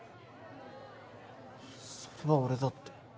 それは俺だって。